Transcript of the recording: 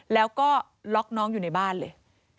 แล้วก็ล็อกน้องอยู่ในบ้านเลย